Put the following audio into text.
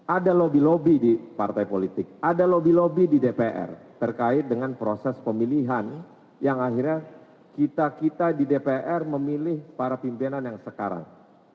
ada lobby lobby di partai politik ada lobby lobby di dpr terkait dengan proses pemilihan yang akhirnya kita kita di dpr memilih para pimpinan yang sekarang